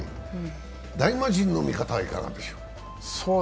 大魔神の見方は、いかがでしょう？